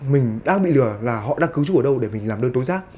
mình đang bị lừa là họ đang cứu chú ở đâu để mình làm đơn tối giác